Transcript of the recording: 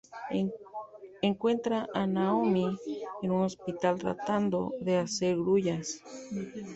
Encuentra a Naomi en un hospital tratando de hacer grullas.